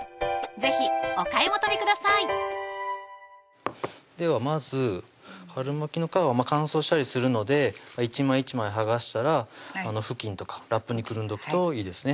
是非お買い求めくださいではまず春巻きの皮は乾燥したりするので１枚１枚剥がしたらふきんとかラップにくるんどくといいですね